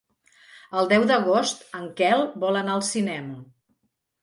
El deu d'agost en Quel vol anar al cinema.